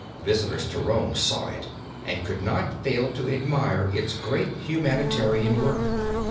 Visitors to Rome saw it, and could not fail to admire its great humanitarian work.